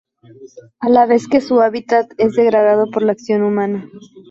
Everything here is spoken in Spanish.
A la vez que su hábitat es degradado por la acción humana.